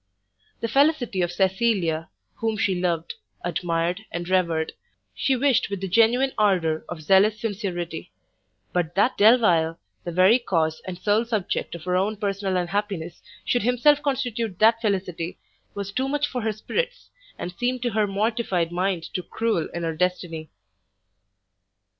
The felicity of Cecilia, whom she loved, admired and revered, she wished with the genuine ardour of zealous sincerity; but that Delvile, the very cause and sole subject of her own personal unhappiness, should himself constitute that felicity, was too much for her spirits, and seemed to her mortified mind too cruel in her destiny.